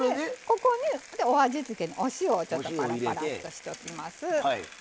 ここにお味付けにお塩をちょっとパラパラッとしておきます。